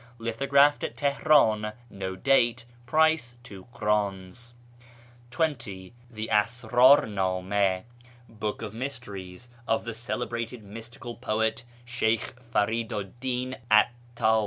Lithographed at Teheran, No date. Price 2 krdns. 20. The Asrdr ndma ("Book of Mysteries") of the celebrated mystical poet, Sheykh Faridu 'd Din 'Attar.